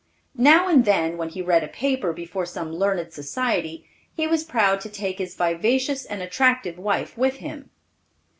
Now and then, when he read a paper before some learned society, he was proud to take his vivacious and attractive wife with him.